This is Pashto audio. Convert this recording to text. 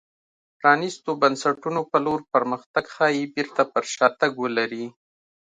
پرانېستو بنسټونو په لور پرمختګ ښايي بېرته پر شا تګ ولري.